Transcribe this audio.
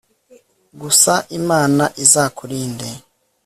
gusa imana izakurinde